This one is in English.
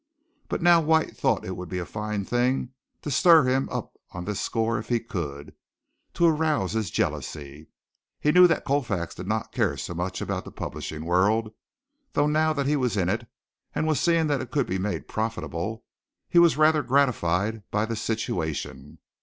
But now White thought it would be a fine thing to stir him up on this score if he could to arouse his jealousy. He knew that Colfax did not care so much about the publishing world, though now that he was in it, and was seeing that it could be made profitable, he was rather gratified by the situation.